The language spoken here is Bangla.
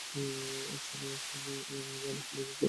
একসময় আমিও ভালোই স্লেজিং করেছি এবং এটা আমার খেলায়ও সাহায্য করেছে।